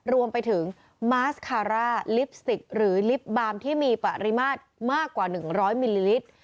รวมไปถึงมาสคาร่าลิปสติกหรือลิฟต์บาร์มที่มีปริมาตรมากกว่า๑๐๐มิลลิลิตร